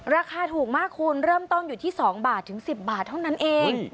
ราคาถูกมากคุณเริ่มต้นอยู่ที่๒บาทถึง๑๐บาทเท่านั้นเอง